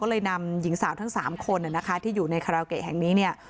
ก็เลยนำหญิงสาวทั้ง๓คนนะคะที่อยู่ในคาราโอเกะแห่งนี้เนี่ย